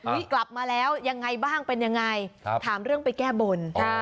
กลับมาแล้วยังไงบ้างเป็นยังไงถามเรื่องไปแก้บน